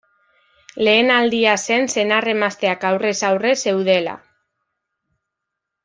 Lehen aldia zen senar-emazteak aurrez-aurre zeudela.